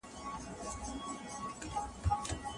که مولدي برخي پياوړي سي بيکاري به له منځه لاړه سي.